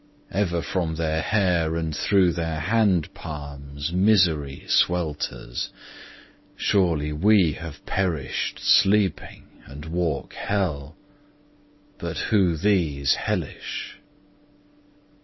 Ever from their hair and through their hand palms Misery swelters. Surely we have perished Sleeping, and walk hell; but who these hellish?